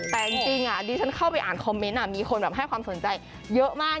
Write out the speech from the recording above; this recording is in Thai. แต่จริงดิฉันเข้าไปอ่านคอมเมนต์มีคนแบบให้ความสนใจเยอะมาก